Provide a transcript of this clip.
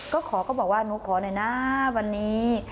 ก็ขอก็บอกว่าหนูขอหน่อยนะวันนี้